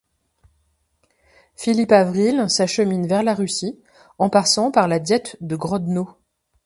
Philippe Avril s’achemine vers la Russie en passant par la Diète de Grodno.